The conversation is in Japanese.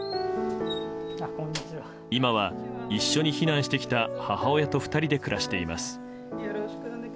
今は、一緒に避難してきた母親と２人で暮らしています。